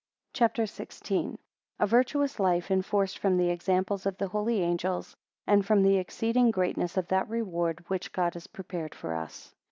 CHAPTER XVI. A virtuous life enforced from the examples of the holy angels, and from the exceeding greatness of that reward which God has prepared for us.